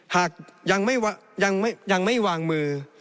หากยังไม่วางมือ